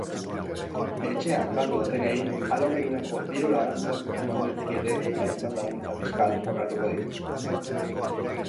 Etxea galdu dutenei alokairurako diru-laguntzak emango dizkiete eta hainbat laguntza-fiskal onartuko dituzte.